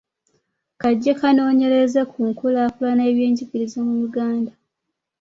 kajje kanoonyereze ku nkulaakulana y’ebyenjigiriza mu Uganda.